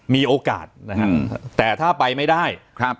มีโอกาสแต่ถ้าไปไม่ได้